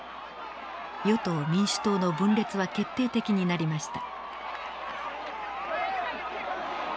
与党民主党の分裂は決定的になりました。